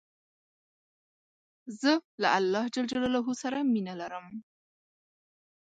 زه له الله ج سره مینه لرم.